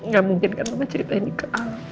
gak mungkin kan mama ceritain ini ke alam